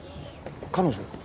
彼女？